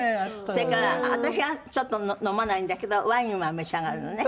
それから私はちょっと飲まないんだけどワインは召し上がるのね？